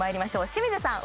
清水さん